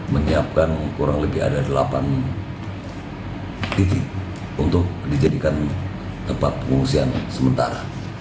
menyiapkan kurang lebih ada delapan titik untuk dijadikan tempat pengungsian sementara